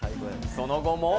その後も。